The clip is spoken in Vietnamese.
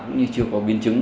cũng như chưa có biến chứng